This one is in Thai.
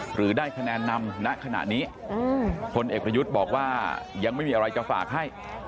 หรือได้คะแนนนำณขณะนี้พลเอกประยุทธ์บอกว่ายังไม่มีอะไรจะฝากให้